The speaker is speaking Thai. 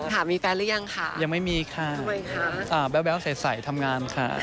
ถามมีแฟนหรือยังค่ะยังไม่มีค่ะแววใสทำงานค่ะ